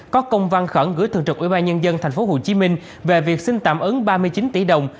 có công văn khẩn gửi thường trực ubnd tp hcm về việc xin tạm ứng ba mươi chín tỷ đồng